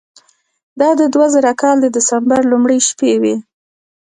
دا د دوه زره کال د دسمبر لومړۍ شپې وې.